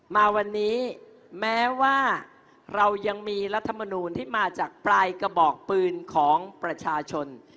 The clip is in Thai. มาวันนี้แม้ว่าเรายังมีรัฐมนูลที่มาจากปลายกระบอกปืนของประชาชน